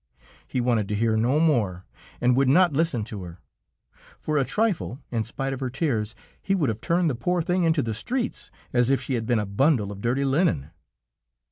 He wanted to hear no more, and would not listen to her. For a trifle, in spite of her tears, he would have turned the poor thing into the streets, as if she had been a bundle of dirty linen.